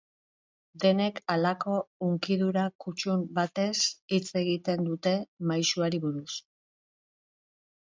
Denek halako hunkidura kuttun batez hitz egiten dute maisuari buruz.